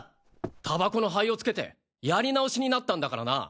タバコの灰をつけてやり直しになったんだからな。